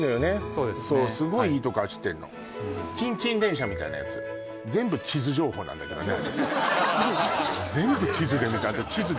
そうですねそうすごいいいとこ走ってんのチンチン電車みたいなやつ全部地図情報なんだけどね